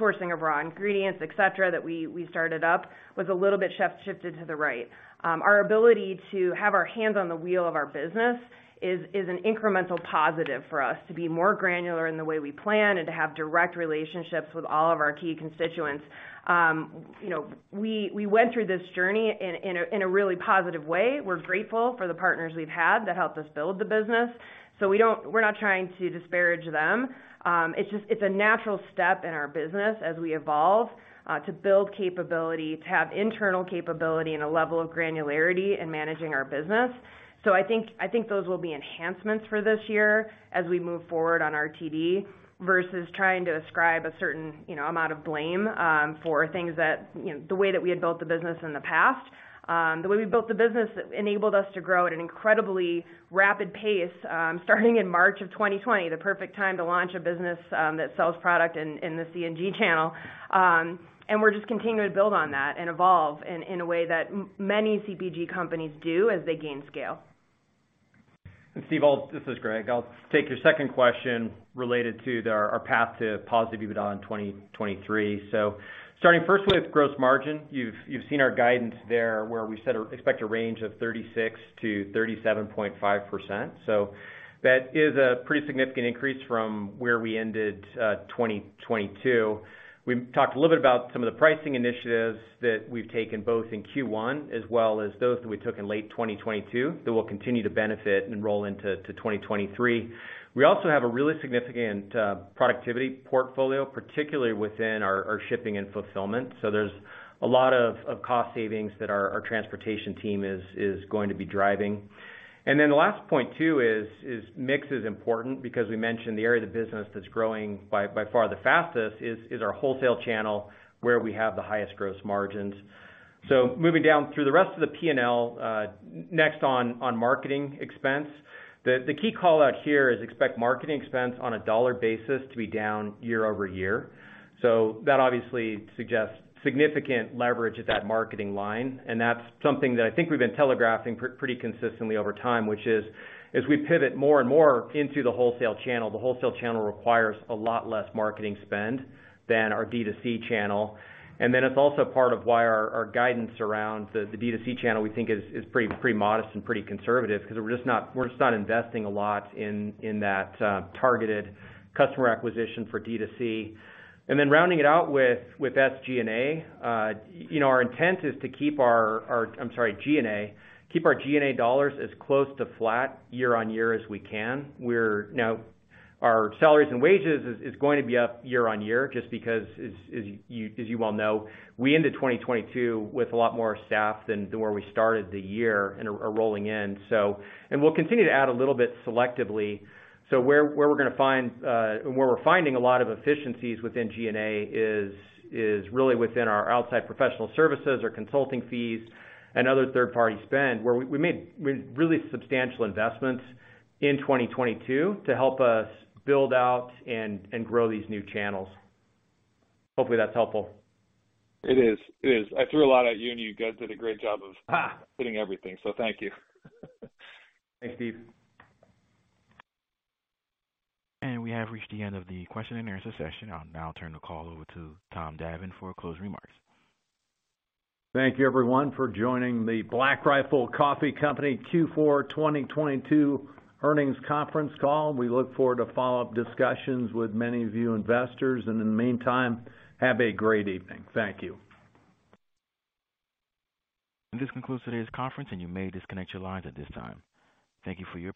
S7: sourcing of raw ingredients, et cetera, that we started up, was a little bit shifted to the right. Our ability to have our hands on the wheel of our business is an incremental positive for us to be more granular in the way we plan and to have direct relationships with all of our key constituents. You know, we went through this journey in a, in a really positive way. We're grateful for the partners we've had that helped us build the business. We're not trying to disparage them. It's just, it's a natural step in our business as we evolve, to build capability, to have internal capability and a level of granularity in managing our business. I think those will be enhancements for this year as we move forward on our TD versus trying to ascribe a certain, you know, amount of blame for things that, you know, the way that we had built the business in the past. The way we built the business enabled us to grow at an incredibly rapid pace, starting in March of 2020, the perfect time to launch a business that sells product in the C&G channel. We're just continuing to build on that and evolve in a way that many CPG companies do as they gain scale.
S5: Steve, this is Greg. I'll take your second question related to our path to positive EBITDA in 2023. Starting firstly with gross margin. You've seen our guidance there where we set or expect a range of 36%-37.5%. That is a pretty significant increase from where we ended 2022. We talked a little bit about some of the pricing initiatives that we've taken both in Q1 as well as those that we took in late 2022 that will continue to benefit and roll into 2023. We also have a really significant productivity portfolio, particularly within our shipping and fulfillment. There's a lot of cost savings that our transportation team is going to be driving. The last point too is mix is important because we mentioned the area of the business that's growing by far the fastest is our wholesale channel where we have the highest gross margins. Moving down through the rest of the P&L, next on marketing expense. The key call out here is expect marketing expense on a dollar basis to be down year-over-year. That obviously suggests significant leverage at that marketing line, and that's something that I think we've been telegraphing pretty consistently over time, which is, as we pivot more and more into the wholesale channel, the wholesale channel requires a lot less marketing spend than our D2C channel. It's also part of why our guidance around the D2C channel we think is pretty modest and pretty conservative because we're just not investing a lot in that targeted customer acquisition for D2C. Rounding it out with SG&A. you know, our intent is to keep our G&A. Keep our G&A dollars as close to flat year-on-year as we can. Now, our salaries and wages is going to be up year-on-year just because as you well know, we ended 2022 with a lot more staff than where we started the year and are rolling in. We'll continue to add a little bit selectively. Where we're gonna find, where we're finding a lot of efficiencies within G&A is really within our outside professional services, our consulting fees, and other third-party spend, where we made really substantial investments in 2022 to help us build out and grow these new channels. Hopefully, that's helpful.
S10: It is. It is. I threw a lot at you, and you guys did a great job hitting everything, so thank you.
S5: Thanks, Steve.
S1: We have reached the end of the question and answer session. I'll now turn the call over to Tom Davin for closing remarks.
S4: Thank you everyone for joining the Black Rifle Coffee Company Q4 2022 earnings conference call. We look forward to follow-up discussions with many of you investors. In the meantime, have a great evening. Thank you.
S1: This concludes today's conference, and you may disconnect your lines at this time. Thank you for your participation.